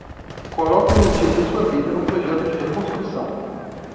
Coloque a energia da sua vida no projeto de reconstrução